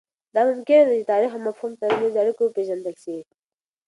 دا ممکنه ده چې د تاریخ او مفهوم ترمنځ اړیکه وپېژندل سي.